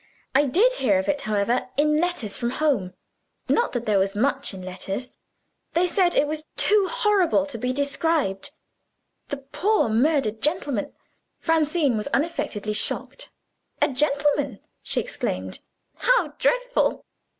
I did hear of it, however, in letters from home. Not that there was much in the letters. They said it was too horrible to be described. The poor murdered gentleman " Francine was unaffectedly shocked. "A gentleman!" she exclaimed. "How dreadful!"